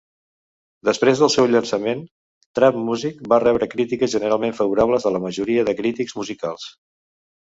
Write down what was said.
Després del seu llançament, "Trap Muzik" va rebre crítiques generalment favorables de la majoria de crítics musicals.